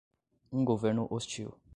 um governo hostil